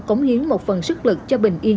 cống hiến một phần sức lực cho bình yên